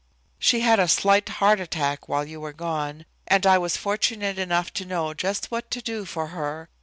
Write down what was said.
"She had a slight heart attack while you were gone, and I was fortunate enough to know just what to do for her.